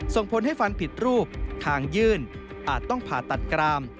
ส่งผลให้ฟันผิดรูปทางยื่นอาจต้องผ่าตัดกราม